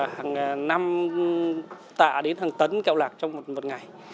hàng năm tạ đến hàng tấn kẹo lạc trong một ngày